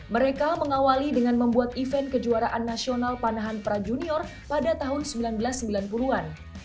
mereka mengawali dengan membuat event kejuaraan nasional panahan prajunior pada tahun seribu sembilan ratus sembilan puluh an